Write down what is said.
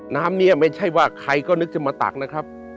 น้ำนี้ไม่ใช่ว่าใครก็นึกจะมาตักนะครับ